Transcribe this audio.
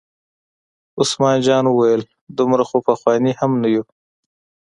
عثمان جان وویل: دومره خو پخواني هم نه یو.